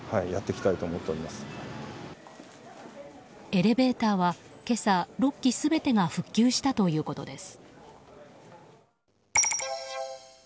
エレベーターは今朝６基全てが復旧したということです。